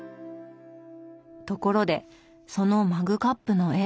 ところでそのマグカップの絵。